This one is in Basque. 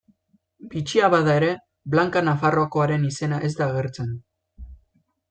Bitxia bada ere, Blanka Nafarroakoaren izena ez da agertzen.